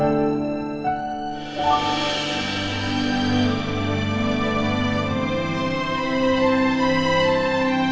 tuhan yang terbaik